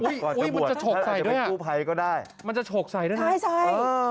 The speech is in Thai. อุ๊ยจะฉกใส่ด้วยอ่ะใช่ใช่แม่นลูกจะปลูกถ่ายก็ได้